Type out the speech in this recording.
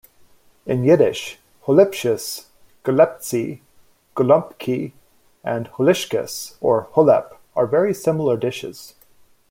In Yiddish, "holipshes", "goleptzi" "golumpki" and "holishkes" or "holep" are very similar dishes.